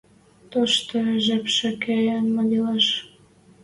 Тошты жепшӹ кеен мыгилӓш...